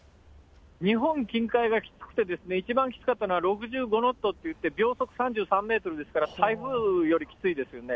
日本近海がきつくてですね、一番きつかったのは、６５ノットっていって、秒速３３メートルですから、台風よりきついですよね。